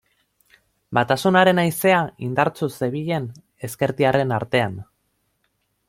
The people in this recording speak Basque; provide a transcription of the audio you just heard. Batasunaren haizea indartsu zebilen ezkertiarren artean.